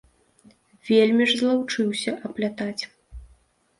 Вельмі ж злаўчыўся аплятаць.